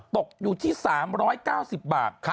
ตกอยู่ที่๓๙๐บาท